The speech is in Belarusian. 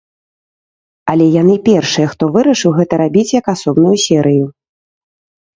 Але яны першыя, хто вырашыў гэта рабіць як асобную серыю.